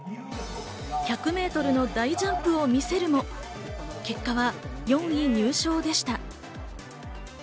１００メートルの大ジャンプを見せるも結果は４位入賞でした。